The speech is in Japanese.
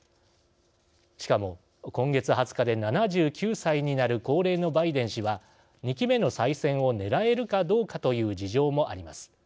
しかも、今月２０日で７９歳になる高齢のバイデン氏は２期目の再選をねらえるかどうかという事情もあります。